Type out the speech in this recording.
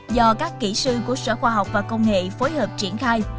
do các kỹ sư của sở khoa học và công nghệ phối hợp triển khai